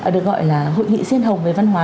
được gọi là hội nghị riêng hồng về văn hóa